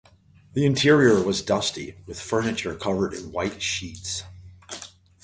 The interior was dusty, with furniture covered in white sheets.